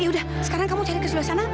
yaudah sekarang kamu cari keseluruhan sana